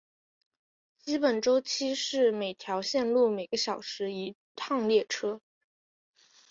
基本周期是每条线路每个小时一趟列车。